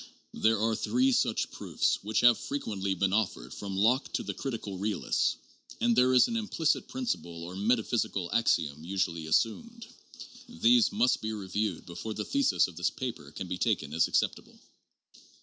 There are three such proofs which have frequently been offered from Locke to the "critical realists," and there is an implicit principle or metaphysical axiom usually assumed. These must be reviewed before the thesis of this paper can be taken as acceptable.